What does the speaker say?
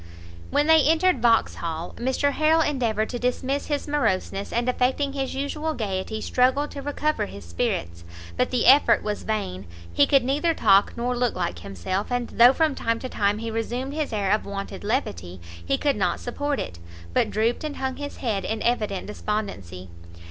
When they entered Vauxhall, Mr Harrel endeavoured to dismiss his moroseness, and affecting his usual gaiety, struggled to recover his spirits; but the effort was vain, he could neither talk nor look like himself, and though from time to time he resumed his air of wonted levity, he could not support it, but drooped and hung his head in evident despondency.